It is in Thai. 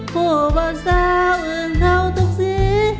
ผู้บังสาวอื่นเท่าทุกสี